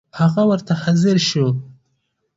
هغه ورته حاضر شو.